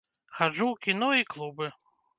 Хаджу ў кіно і клубы.